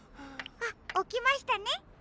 あっおきましたね。